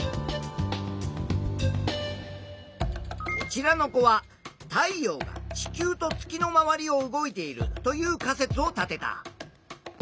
こちらの子は太陽が地球と月の周りを動いているという仮説を立てた。